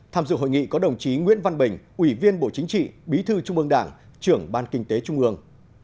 tham dự hội nghị có đồng chí nguyễn văn bình ủy viên bộ chính trị bí thư trung ương đảng trưởng ban kinh tế trung ương